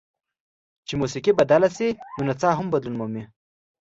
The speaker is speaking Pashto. چې موسیقي بدله شي نو نڅا هم بدلون مومي.